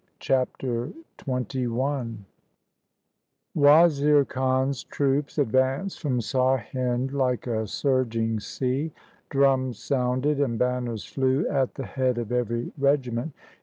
Chapter XXI Wazir Khan's troops advanced from Sarhind like a surging sea. Drums sounded and banners flew at the head of every regiment.